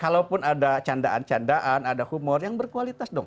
kalaupun ada candaan candaan ada humor yang berkualitas dong